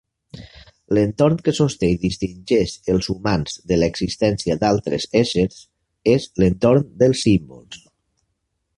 L'entorn que sosté i distingeix els humans de l'existència d'altres éssers és l'entorn dels símbols.